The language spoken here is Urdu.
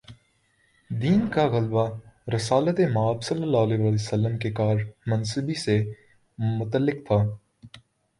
دین کا غلبہ رسالت مآبﷺ کے کار منصبی سے متعلق تھا۔